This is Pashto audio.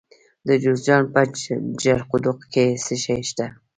د جوزجان په جرقدوق کې څه شی شته؟